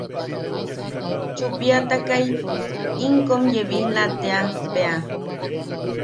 Chupiatakai in kom yabisla tea bea.